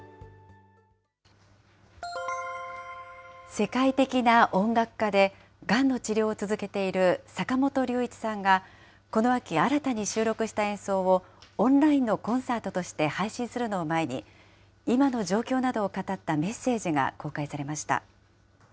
世界的な音楽家で、がんの治療を続けている坂本龍一さんが、この秋新たに収録した演奏を、オンラインのコンサートとして配信するのを前に、今の状況などを語ったメッセージが公開されました。